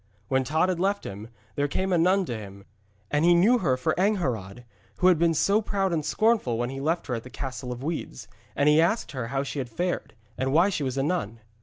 When Tod had left him, there came a nun to him, and he knew her for Angharad, who had been so proud and scornful when he left her at the Castle of Weeds. And he asked her how she had fared, and why she was a nun.